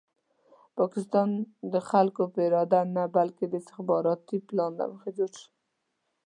پاکستان د خلکو په اراده نه بلکې د استخباراتي پلان له مخې جوړ شو.